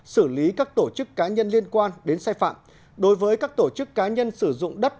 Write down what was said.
xử lý các tổ chức cá nhân liên quan đến sai phạm đối với các tổ chức cá nhân sử dụng đất